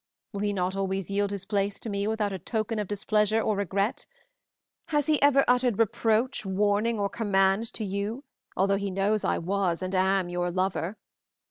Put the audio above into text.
Will he not always yield his place to me without a token of displeasure or regret? Has he ever uttered reproach, warning, or command to you, although he knows I was and am your lover?